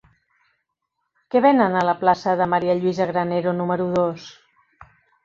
Què venen a la plaça de María Luisa Granero número dos?